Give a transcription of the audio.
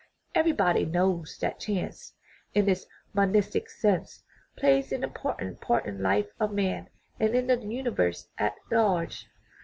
Everybody knows that chance, in its monistic sense, plays an important part in the life of man and in the universe at large.